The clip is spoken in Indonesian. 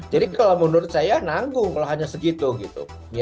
jadi kalau menurut saya nanggung kalau hanya segitu gitu